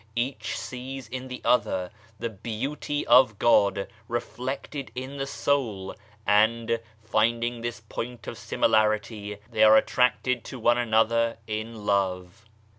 Each sees in the other the Beauty of God reflected in the soul, and finding this point of similarity, they are attracted to one another in love.